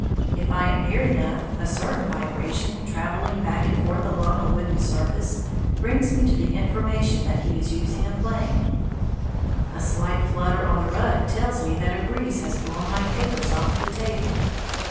If I am near enough, a certain vibration, travelling back and forth along a wooden surface, brings me the information that he is using a plane. A slight flutter on the rug tells me that a breeze has blown my papers off the table.